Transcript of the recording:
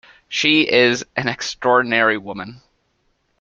She is an extraordinary woman.